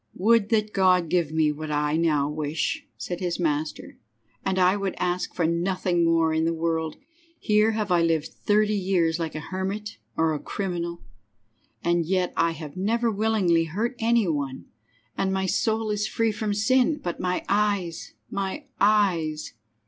"Would that God would give me what I now wish," said his master, "and I would ask for nothing more in the world. Here have I lived thirty years like a hermit or a criminal, and yet I have never willingly hurt any one, and my soul is free from sin, but my eyes, my eyes!"